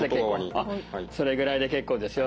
それぐらいで結構ですよ。